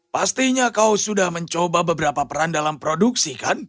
pastinya kau sudah mencoba beberapa peran dalam produksi kan